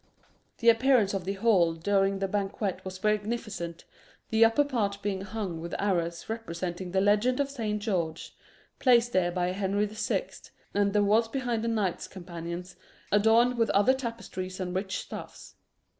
The appearance of the hall during the banquet was magnificent, the upper part being hung with arras representing the legend of Saint George, placed there by Henry the Sixth, and the walls behind the knights companions adorned with other tapestries and rich stuffs.